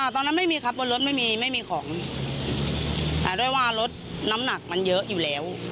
ตอนนั้นไม่มีครับบนรถไม่มีไม่มีของแต่ด้วยว่ารถน้ำหนักมันเยอะอยู่แล้ว